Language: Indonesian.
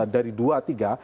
dari dua tiga